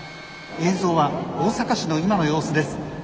映像は大阪市の今の様子です。